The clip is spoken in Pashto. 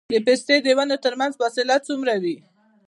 د پستې د ونو ترمنځ فاصله څومره وي؟